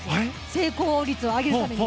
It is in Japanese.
成功率を上げるために。